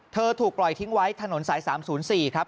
ถูกปล่อยทิ้งไว้ถนนสาย๓๐๔ครับ